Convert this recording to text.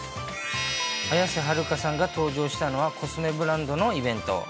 綾瀬はるかさんが登場したのはコスメブランドのイベント。